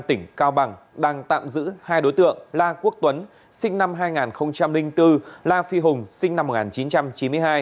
tỉnh cao bằng đang tạm giữ hai đối tượng la quốc tuấn sinh năm hai nghìn bốn la phi hùng sinh năm một nghìn chín trăm chín mươi hai